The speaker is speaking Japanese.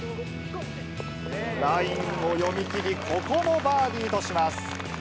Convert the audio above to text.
ラインを読みきり、ここもバーディーとします。